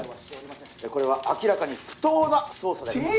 これは明らかに不当な捜査であります